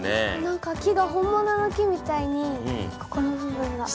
何か木が本物の木みたいにここの部分が。